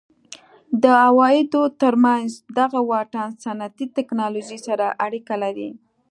د عوایدو ترمنځ دغه واټن صنعتي ټکنالوژۍ سره اړیکه لري.